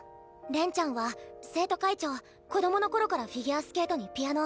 恋ちゃんは生徒会長子供の頃からフィギュアスケートにピアノ。